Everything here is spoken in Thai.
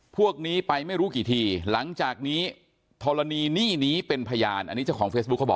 พวกนี้ไปไม่รู้กี่ทีหลังจากนี้ธรณีนี่นี้เป็นพยาน